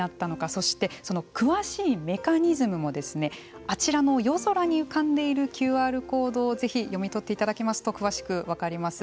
そして、その詳しいメカニズムもあちらの夜空に浮かんでいるＱＲコードをぜひ読み取っていただきますと詳しく分かります。